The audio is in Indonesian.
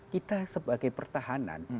kita sebagai pertahanan